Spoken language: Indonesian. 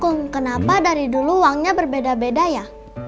hmm kenapa dari dulu uangnya berbeda beda ya